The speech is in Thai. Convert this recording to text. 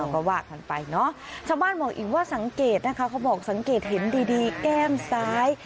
ก็ว่ากันไปเนอะชาวบ้านบอกอีกว่าสังเกตนะคะเขาบอกสังเกตเห็นดีแก้มซ้าย